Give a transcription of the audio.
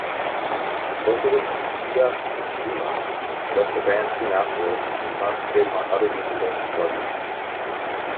Vocalist Issa Juma left the band soon afterwards to concentrate on other musical projects.